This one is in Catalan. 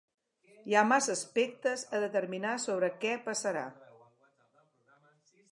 Hi ha massa aspectes a determinar sobre què passarà.